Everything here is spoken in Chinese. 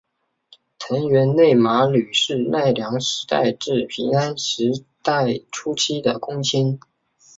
藤原内麻吕是奈良时代至平安时代初期的公卿。